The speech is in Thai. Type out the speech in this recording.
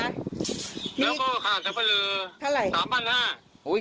แล้วก็คราวสัปเนอร์๓๕๐๐